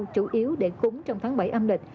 chủ yếu để cúng trong tháng bảy âm lịch